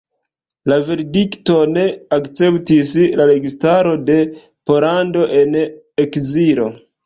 La verdikton akceptis la registaro de Pollando en ekzilo.